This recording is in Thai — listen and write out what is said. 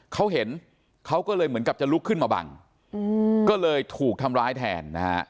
เขาเห็นเขาก็เลยเหมือนกับจะลุกขึ้นมาบังก็เลยถูกทำร้ายแทนนะฮะ